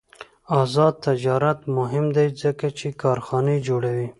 آزاد تجارت مهم دی ځکه چې کارخانې جوړوي.